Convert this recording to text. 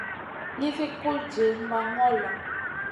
Nizi kul diyna ma ŋola.